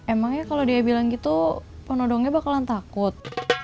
emangnya kalau dia bilang gitu penodongnya bakalan takut